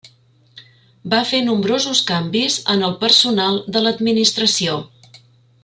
Va fer nombrosos canvis en el personal de l'administració.